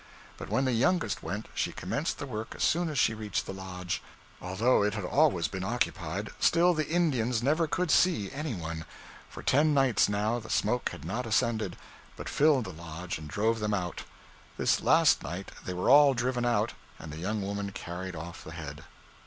But when the youngest went, she commenced the work as soon as she reached the lodge; although it had always been occupied, still the Indians never could see any one. For ten nights now, the smoke had not ascended, but filled the lodge and drove them out. This last night they were all driven out, and the young woman carried off the head.